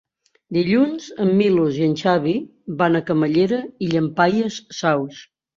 Dilluns en Milos i en Xavi van a Camallera i Llampaies Saus.